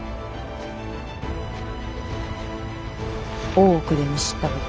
大奥で見知ったこと。